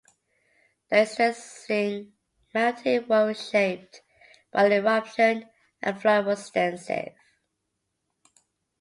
The existing mountain was reshaped by the eruption, and flooding was extensive.